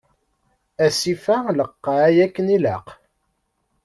Asif-a lqay akken ilaq.